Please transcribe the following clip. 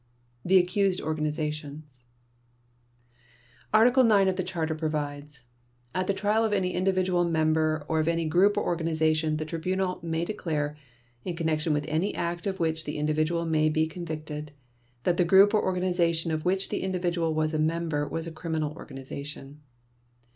The Accused Organizations Article 9 of the Charter provides: "At the trial of any individual member of any group or organization the Tribunal may declare (in connection with any act of which the individual may be convicted) that the group or organization of which the individual was a member was a criminal organization."